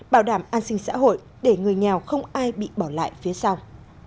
bảo đảm an sinh xã hội để người nghèo không ai bị bỏ lại phía sau